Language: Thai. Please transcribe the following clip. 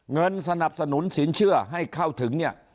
เงินสนับสนุนสินเชื่อให้เข้าถึงเนี่ย